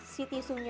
si tisunya ini ya